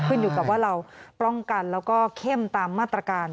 ขึ้นอยู่กับว่าเราป้องกันแล้วก็เข้มตามมาตรการ